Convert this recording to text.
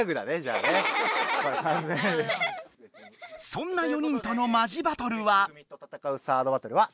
そんな４人とのマジバトルは？